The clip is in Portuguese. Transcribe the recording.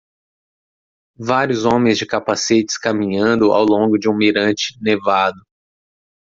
Vários homens de capacetes caminhando ao longo de um mirante nevado.